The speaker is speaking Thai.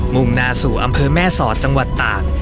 มุมนาศูอำเภอแม่ส่อจังงอรันดิเมฆ